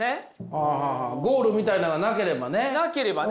あゴールみたいなんがなければね。